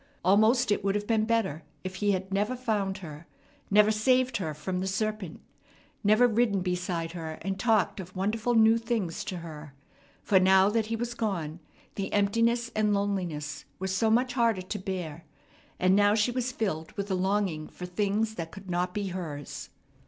Almost it would have been better if he had never found her, never saved her from the serpent, never ridden beside her and talked of wonderful new things to her; for now that he was gone the emptiness and loneliness were so much harder to bear; and now she was filled with a longing for things that could not be hers.